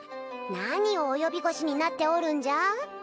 何を及び腰になっておるんじゃ？